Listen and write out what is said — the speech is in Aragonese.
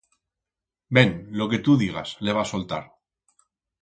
Ben, lo que tu digas, le va soltar.